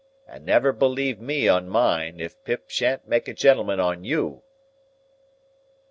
And never believe me on mine, if Pip shan't make a gentleman on you!"